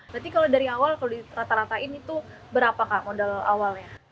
berarti kalau dari awal kalau dirata ratain itu berapa kak modal awalnya